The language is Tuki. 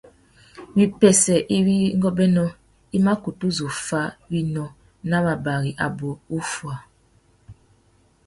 Wipêssê iwí ngôbēnô i mà kutu zu fá winô nà wabari abú wuffuá.